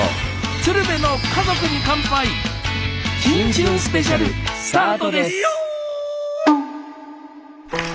「鶴瓶の家族に乾杯」「新春スペシャル」スタートです！